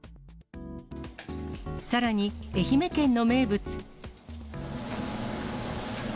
さらに、愛媛県の名物。